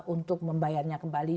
untuk membayarnya kembali